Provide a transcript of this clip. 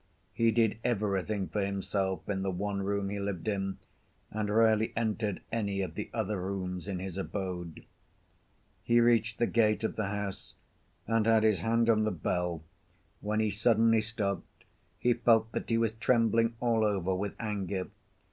He did everything for himself in the one room he lived in, and rarely entered any of the other rooms in his abode. He reached the gate of the house and had his hand on the bell, when he suddenly stopped. He felt that he was trembling all over with anger.